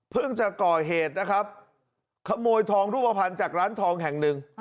จะก่อเหตุนะครับขโมยทองรูปภัณฑ์จากร้านทองแห่งหนึ่ง